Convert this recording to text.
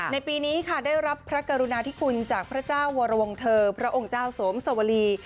ในปีนี้ค่ะได้รับพระกรุณาธิคุณจากพระเจ้าวรวงเทอร์พระองค์เจ้าสวมสวรี